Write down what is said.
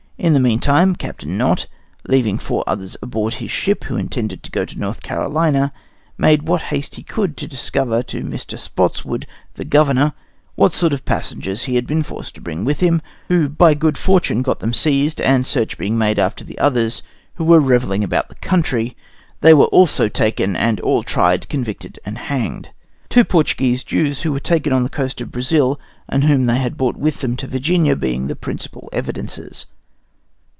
In the meantime Captain Knot, leaving four others on board his ship who intended to go to North Carolina, made what haste he could to discover to Mr. Spotswood, the governor, what sort of passengers he had been forced to bring with him, who, by good fortune, got them seized; and search being made after the others, who were revelling about the country, they were also taken, and all tried, convicted, and hanged; two Portuguese Jews, who were taken on the coast of Brazil and whom they brought with them to Virginia, being the principal evidences.